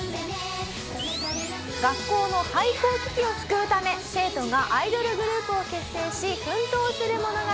学校の廃校危機を救うため生徒がアイドルグループを結成し奮闘する物語。